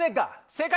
正解。